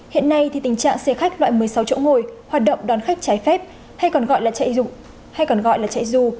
hiện nay thì tình trạng xe khách loại một mươi sáu chỗ ngồi hoạt động đón khách trái phép hay còn gọi là chạy dù